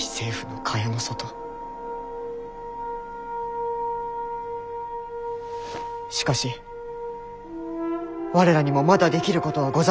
しかし我らにもまだできることはございましょう。